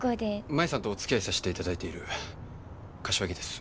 舞さんとおつきあいさしていただいてる柏木です。